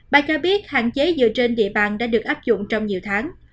bà cho biết hạn chế dựa trên địa bàn đã được áp dụng trong nhiều tháng